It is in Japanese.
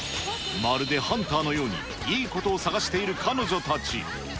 まるでハンターのように、いいことを探している彼女たち。